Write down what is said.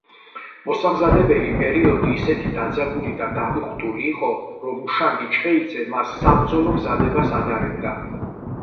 მოსამზადებელი პერიოდი ისეთი დაძაბული და დამუხტული იყო, რომ უშანგი ჩხეიძე მას საბრძოლო მზადებას ადარებდა.